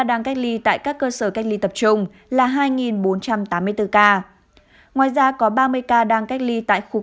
đang cách ly tại các cơ sở cách ly tập trung là hai bốn trăm tám mươi bốn ca ngoài ra có ba mươi ca đang cách ly tại khu